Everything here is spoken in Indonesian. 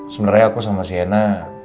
sebenarnya aku sama sienna